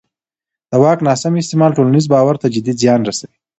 د واک ناسم استعمال ټولنیز باور ته جدي زیان رسوي